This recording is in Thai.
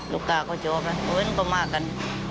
ลูกค้าก็จบแล้วเพราะฉะนั้นก็มากัน